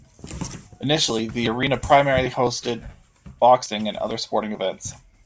Initially, the arena primarily hosted boxing and other sporting events.